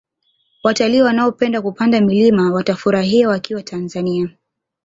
watalii wanaopenda kupanda milima watafurahia wakiwa tanzania